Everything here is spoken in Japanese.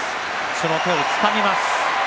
その手をつかみます。